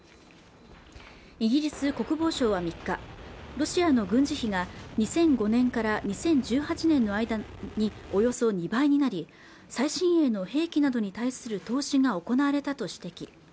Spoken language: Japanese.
イギリス国防省は３日ロシアの軍事費が２００５年から２０１８年の間におよそ２倍になり最新鋭の兵器などに対する投資が行われたと指摘